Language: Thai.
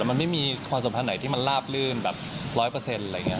แล้วมันไม่มีความสัมพันธ์ไหนที่มันลาบลื่นแบบ๑๐๐อะไรอย่างเงี้ย